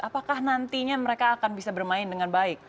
apakah nantinya mereka akan bisa bermain dengan baik